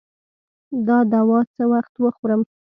دا دوا څه وخت وخورم؟